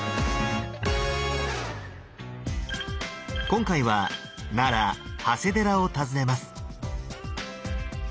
今回は奈良長谷寺を訪ねます。